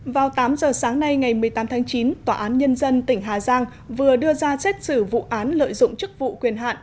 vào tám giờ sáng nay ngày một mươi tám tháng chín tòa án nhân dân tỉnh hà giang vừa đưa ra xét xử vụ án lợi dụng chức vụ quyền hạn